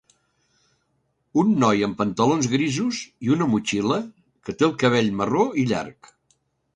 Un noi amb pantalons grisos i una motxilla que té el cabell marró i llarg.